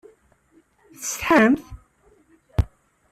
Tsetḥamt?